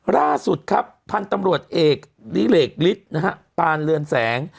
ล่าสุดครับพันธุ์ตำรวจเอกลิเหลกฤทธิ์นะฮะปานเรือนแสง